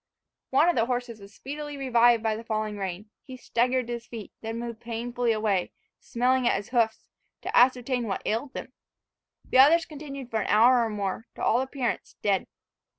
One of the horses was speedily revived by the falling rain. He staggered to his feet, then moved painfully away, smelling at his hoofs, to ascertain what ailed them. The other continued for an hour or more, to all appearance, dead.